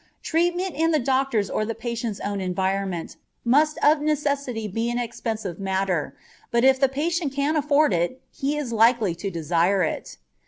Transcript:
Treatment in the doctor's or the patient's own environment must of necessity be an expensive matter, but if the patient can afford it, he is likely to desire it.